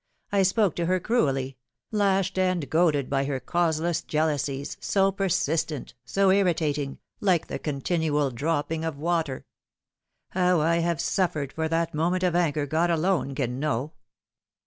I spoke to her cruelly lashed and goaded by her causeless jealousies so persistent, BO irritating like the continual dropping of water. How I have suffered for that moment of anger God alone can know.